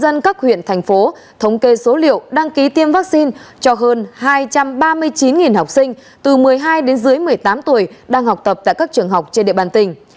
các huyện thành phố thống kê số liệu đăng ký tiêm vaccine cho hơn hai trăm ba mươi chín học sinh từ một mươi hai đến dưới một mươi tám tuổi đang học tập tại các trường học trên địa bàn tỉnh